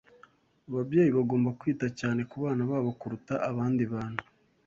Ababyeyi bagomba kwita cyane ku bana babo kuruta abandi bantu